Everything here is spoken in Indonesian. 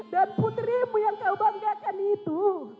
dan putrimu yang kau banggakan itu